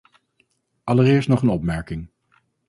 Allereerst nog een opmerking.